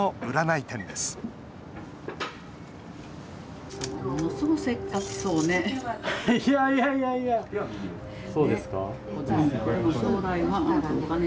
いやいやいやいやそうですか？